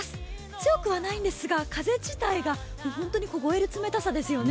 強くはないんですが風自体が凍える冷たさですよね。